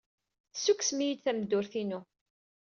Tessukksem-iyi-d tameddurt-inu.